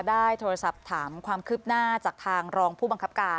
ได้โทรศัพท์ถามความคืบหน้าจากทางรองผู้บังคับการ